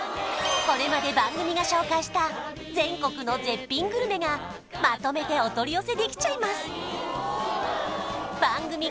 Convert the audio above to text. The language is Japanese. これまで番組が紹介した全国の絶品グルメがまとめてお取り寄せできちゃいます